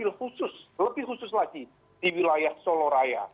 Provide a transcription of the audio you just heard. lebih khusus lagi di wilayah solo raya